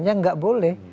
ya nggak boleh